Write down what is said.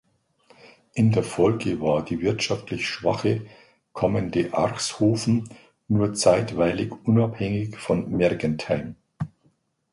In der Folge war die wirtschaftlich schwache Kommende Archshofen nur zeitweilig unabhängig von Mergentheim.